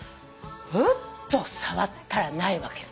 ふっと触ったらないわけさ。